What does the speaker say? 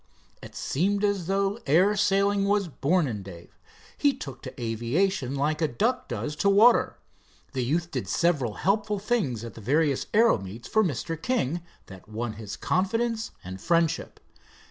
It seemed as though air sailing was born in Dave. He took to aviation like a duck does to water. The youth did several helpful things at the various aero meets for Mr. King that won his confidence and friendship.